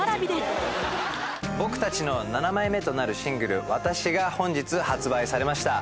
僕たちの７枚目となるシングル「わたし」が本日発売されました